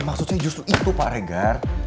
maksud saya justru itu pak regar